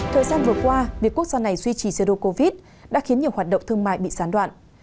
thời gian vừa qua việc quốc gia này duy trì xe đô covid đã khiến nhiều hoạt động thương mại bị sán đoạn